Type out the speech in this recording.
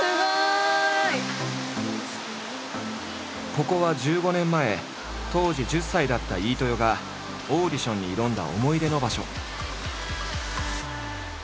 ここは１５年前当時１０歳だった飯豊がオーディションに挑んだ思い出の場所。